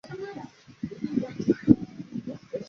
雷彦恭生年不详。